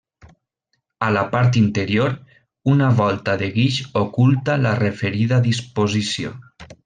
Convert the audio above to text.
A la part interior, una volta de guix oculta la referida disposició.